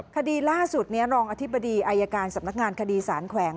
คดีล่าสุดนี้รองอธิบดีอายการสำนักงานคดีสารแขวง